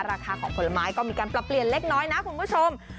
ราคาของผลไม้ก็มีการปรับเปลี่ยนเล็กน้อยนะคุณผู้ชม